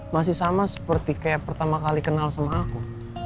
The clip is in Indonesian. masih sama seperti kayak pertama kali kenal sama aku